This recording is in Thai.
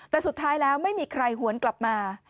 แต่สุดท้ายแล้วไม่มีใครหวนกลับมา